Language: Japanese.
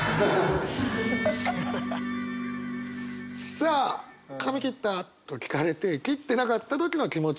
さあ「髪切った？」と聞かれて切ってなかった時の気持ち。